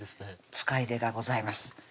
使いでがございます